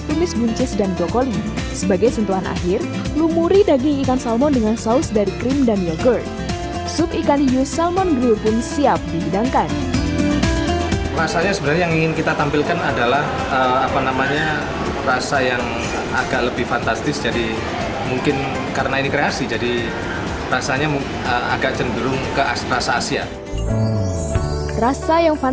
membuat sup ikan hiu dan salmon grilled menambah kromatisan bersama pasangan